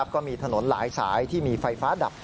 ก็มีถนนหลายสายที่มีไฟฟ้าดับ